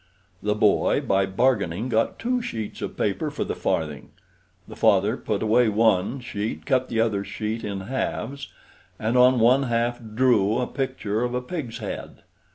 The boy, by bargaining, got two sheets of paper for the farthing. The father put away one sheet, cut the other sheet in halves, and on one half drew a picture of a pig's head.